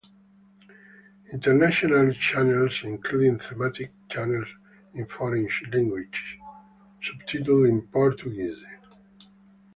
International channels including thematic channels in foreign languages, subtitled in Portuguese.